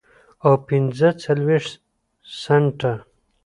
او پنځه څلوېښت سنټه